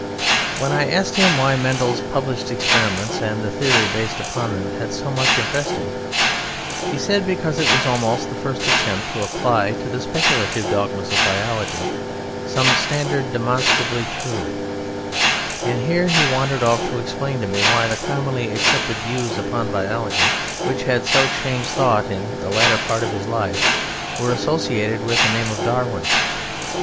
When I asked him why Mendel's published experiments and the theory based upon them had so much impressed him, he said because it was almost the first attempt to apply to the speculative dogmas of biology some standard demonstrably true; and here he wandered off to explain to me why the commonly accepted views upon biology, which had so changed thought in the latter part of his life, were associated with the name of Darwin.